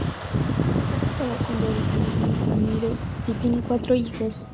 Esta casado con Doris Manley Ramírez y tiene cuatro hijos.